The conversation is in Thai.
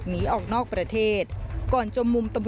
มีความรู้สึกว่า